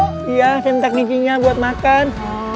kita centak klincinya buat makan